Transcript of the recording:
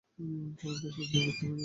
কারণ, তার সামনে নিত্যনতুন শৃঙ্খল।